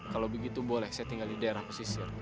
kalau begitu boleh saya tinggal di daerah pesisir